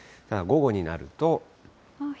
ただ、午後になると。